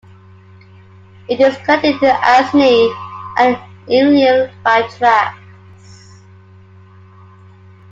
It is connected to Asni and Imlil by tracks.